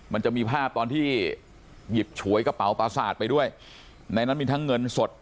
มันจะมีภาพตอนที่หยิบฉวยกระเป๋าประสาทไปด้วยในนั้นมีทั้งเงินสด